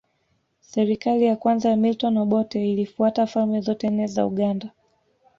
Serikali ya kwanza ya Milton Obote ilifuta falme zote nne za Uganda